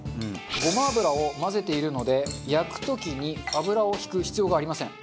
ごま油を混ぜているので焼く時に油を引く必要がありません。